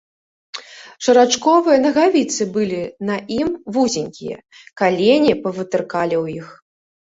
Шарачковыя нагавіцы былі на ім вузенькія, калені павытыркалі ў іх.